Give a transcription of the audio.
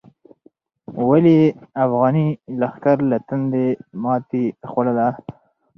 ولې افغاني لښکر له تندې ماتې خوړله؟